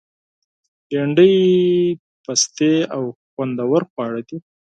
بېنډۍ نرم او خوندور خواړه دي